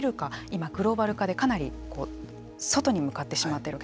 今、グローバル化でかなり外に向かってしまっている。